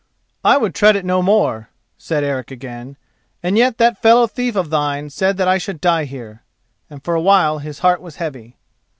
"I would tread it no more," said Eric again, "and yet that fellow thief of thine said that I should die here," and for a while his heart was heavy.